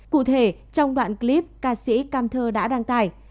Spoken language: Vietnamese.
cụ thể trong đoạn clip ca sĩ cam thơ đã đăng tải